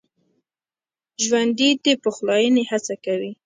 ژوندي د پخلاينې هڅه کوي